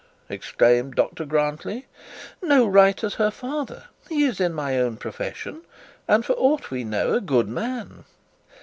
exclaimed Dr Grantly. 'No right as her father. He is in my own profession, and for aught we know a good man.'